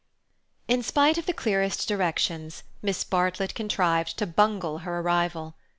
In spite of the clearest directions, Miss Bartlett contrived to bungle her arrival.